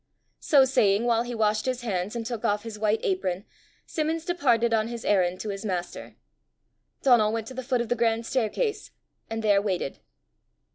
So saying while he washed his hands and took off his white apron, Simmons departed on his errand to his master. Donal went to the foot of the grand staircase, and there waited.